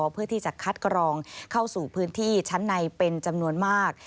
เพื่อที่จะคัดกรองเข้าสู่พื้นที่ชั้นในเป็นจำนวนมาก